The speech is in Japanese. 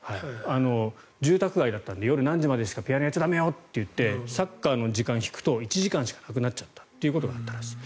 住宅街だったので夜何時までしかピアノやっちゃ駄目よっていってサッカーの時間を引くと１時間しかなくなっちゃったということがあったらしい。